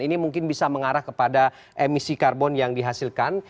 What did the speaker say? ini mungkin bisa mengarah kepada emisi karbon yang dihasilkan